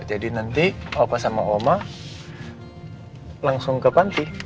jadi nanti opa sama oma langsung ke panti